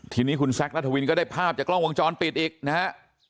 ทีนี้คุณแซคนัทวินก็ได้ภาพจากกล้องวงจรปิดอีกนะฮะ